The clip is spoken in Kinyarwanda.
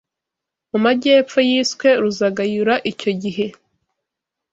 Mu majyepfo yiswe Ruzagayura icyo gihe